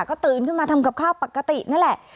ก็ตื่นขึ้นมาทำกับข้าวปกตินั่นแหละ